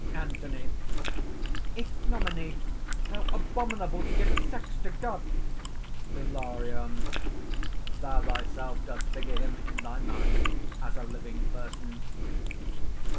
_) ANTHONY. "Ignominy! how abominable to give a sex to God!" HILARION. "Thou thyself dost figure him in thy mind as a living person!"